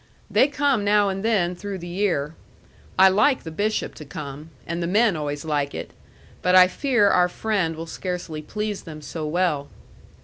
"They come now and then through the year. I like the bishop to come. And the men always like it. But I fear our friend will scarcely please them so well."